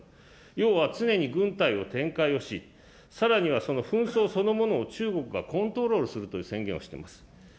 要は常に軍隊を展開をし、さらにはその紛争そのものを中国がコントロールするという宣言をしています。